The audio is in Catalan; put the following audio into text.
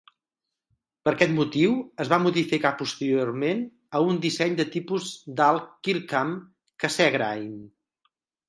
Per aquest motiu, es va modificar posteriorment a un disseny de tipus Dall-Kirkham Cassegrain.